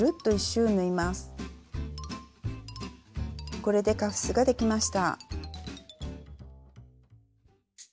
これでカフスができました。